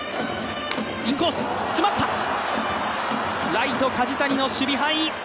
ライト・梶谷の守備範囲。